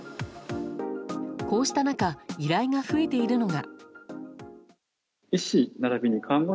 こうした中依頼が増えているのが。